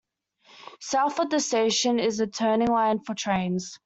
South of the station is a turning line for trains.